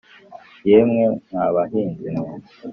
yemwe mwa bahinzi mwe